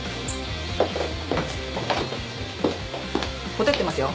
火照ってますよ。